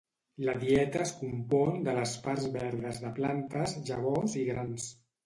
La dieta es compon de les parts verdes de plantes, llavors i grans.